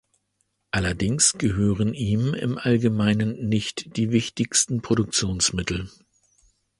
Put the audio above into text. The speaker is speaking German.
Allerdings gehören ihm im Allgemeinen nicht die wichtigsten Produktionsmittel.